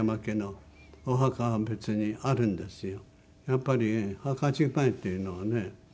やっぱり墓じまいっていうのはね